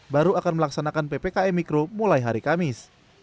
baru akan melaksanakan ppkm mikro mulai hari kamis